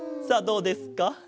さあどうですか？